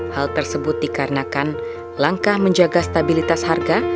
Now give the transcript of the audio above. hal tersebut dikarenakan langkah menjaga stabilitas harga